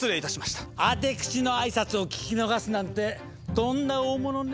アテクシのあいさつを聞き逃すなんてとんだ大物ね。